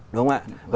đúng không ạ